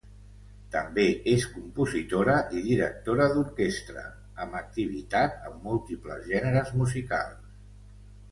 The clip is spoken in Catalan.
També és compositora i directora d'orquestra, amb activitat en múltiples gèneres musicals.